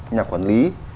nhà quản lý